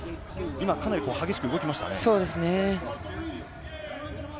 今、かなり激しく動きましたね。